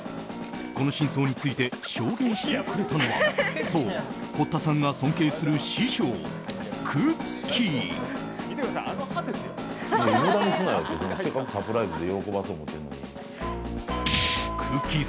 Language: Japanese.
この真相について証言してくれたのはそう、堀田さんが尊敬する師匠くっきー！。